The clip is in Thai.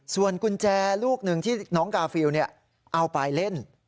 ส่วนกุญแจลูกหนึ่งที่น้องกาฟิลเอาไปเล่น